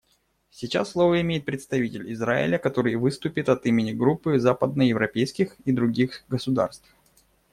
Сейчас слово имеет представитель Израиля, который выступит от имени Группы западноевропейских и других государств.